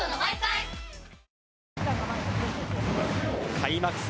開幕戦